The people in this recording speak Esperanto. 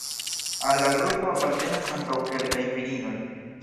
Al la grupo apartenas ankaŭ kelkaj virinoj.